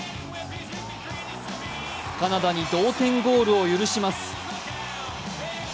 カナダに同点ゴールを許します。